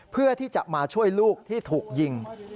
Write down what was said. เพื่อที่จะมาช่วยลูกที่ถูกยิง